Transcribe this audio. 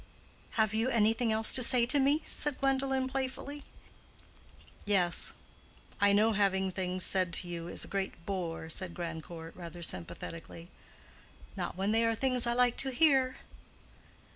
"Have you anything else to say to me?" said Gwendolen, playfully. "Yes—I know having things said to you is a great bore," said Grandcourt, rather sympathetically. "Not when they are things I like to hear."